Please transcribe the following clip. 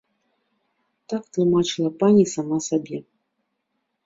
Так тлумачыла пані сама сабе.